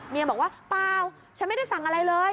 บอกว่าเปล่าฉันไม่ได้สั่งอะไรเลย